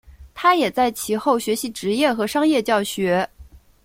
他也在其后学习职业和商业教学。